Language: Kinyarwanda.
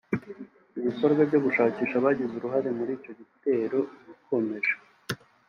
ibikorwa byo gushakisha abagize uruhare muri icyo gitero bikomeje